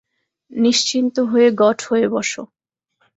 নিশ্চিন্ত হয়ে গট হয়ে বস।